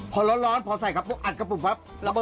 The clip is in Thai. พอร้อนพอใส่กระปุ่งอัดกระปุ่งแป๊บ